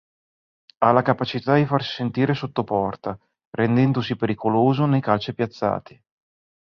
Ha la capacità di farsi sentire sotto porta, rendendosi pericoloso nei calci piazzati.